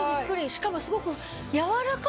しかもすごく。